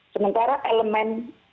sementara elemen keamanan